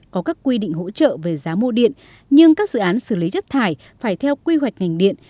có các quy định hỗ trợ về giá mua điện nhưng các dự án xử lý chất thải phải theo quy hoạch ngành điện